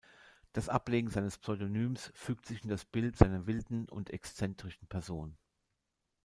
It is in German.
Das Ablegen seines Pseudonyms fügt sich in das Bild seiner wilden und exzentrischen Person.